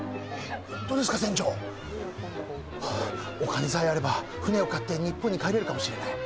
本当ですか、船長お金さえあれば、船を買って日本に帰れるかもしれない。